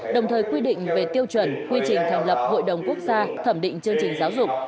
đồng thời quy định về tiêu chuẩn quy trình thành lập hội đồng quốc gia thẩm định chương trình giáo dục